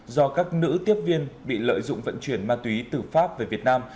do các nữ tiếp viên bị lợi dụng vận chuyển ma túy từ pháp về việt nam